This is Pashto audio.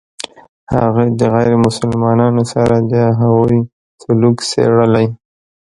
هغه د غیر مسلمانانو سره د هغوی سلوک څېړلی.